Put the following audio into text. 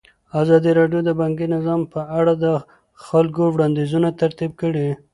ازادي راډیو د بانکي نظام په اړه د خلکو وړاندیزونه ترتیب کړي.